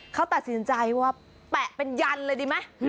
เขาตัดสินใจว่าแปะเป็นยันเลยดีไหม